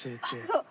そう。